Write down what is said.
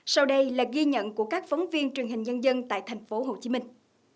sau đây là ghi nhận của các phóng viên truyền hình nhân dân tại thành phố hồ chí minh